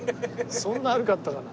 そんな悪かったかな？